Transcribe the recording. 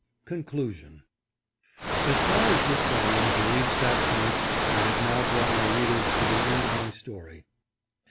CONCLUSION. As far as this volume can reach that point I have now brought my readers to the end of my story.